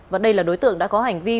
và đây là đối tượng đã có hành vi